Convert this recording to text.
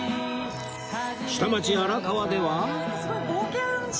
下町荒川では